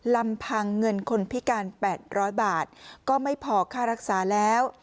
ลำพังเงินคนพิการ๘๐๐บาทก็ไม่พอค่ารักษาแล้ว